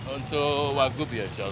untuk wagub ya sob